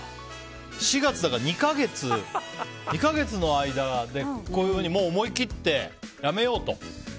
４月だから２か月の間でこういうふうにもう思い切ってやめようと？